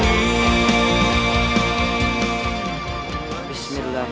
dibalas oleh allah